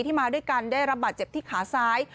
มาด้วยกันได้รับบาดเจ็บที่ขาซ้าย